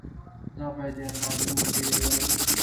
دا باید یا تعلیم وښيي او یا درواغ.